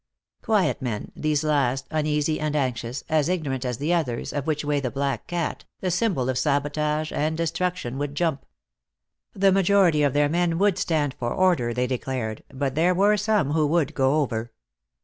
Quiet men, these last, uneasy and anxious, as ignorant as the others of which way the black cat, the symbol of sabotage and destruction, would jump. The majority of their men would stand for order, they declared, but there were some who would go over.